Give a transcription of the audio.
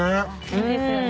・いいですよね。